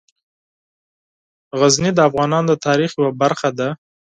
غزني د افغانانو د تاریخ یوه برخه ده.